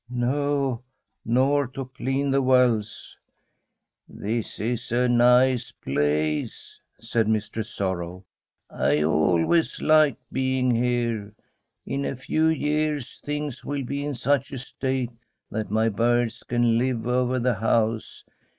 ' No, nor to clean the wells.* [8il Fr9m d SWEDISH HOMESTEAD 'This is a nice place/ said Mistress Sorrow; ' I always like being here. In a few years things will be in such a state that my birds can live all over the house.